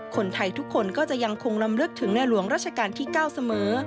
คนไทยทุกคนก็จะยังคงลำลึกถึงในหลวงราชการที่๙เสมอ